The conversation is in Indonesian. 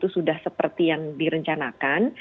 sudah seperti yang direncanakan